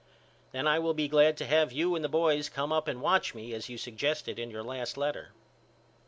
Then I will be glad to have you and the boys come up and watch me as you suggested in your last letter.